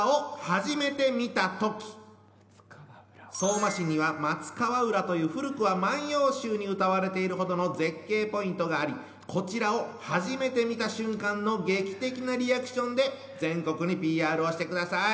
相馬市には松川浦という古くは「万葉集」に歌われているほどの絶景ポイントがありこちらをはじめてみた瞬間の劇的なリアクションで全国にＰＲをしてください！